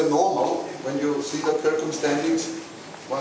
itu normalnya ketika kita melihat keterangan